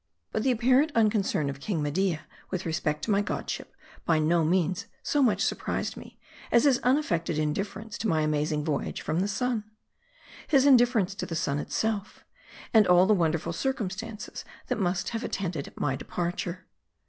But the apparent unconcern of King Media with respect to my godship, by no means so much surprised me, as his unaffected indifference to my amazing voyage from the sun ; his indifference to the sun itself; and all the wonderful cir cumstances that must have attended my departure.